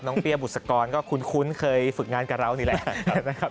เปี้ยบุษกรก็คุ้นเคยฝึกงานกับเรานี่แหละนะครับ